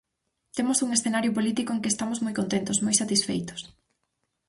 Temos un escenario político en que estamos moi contentos, moi satisfeitos.